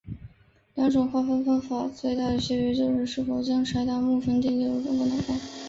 两种划分方法最大的区别就是是否将柴达木盆地列入中国南方。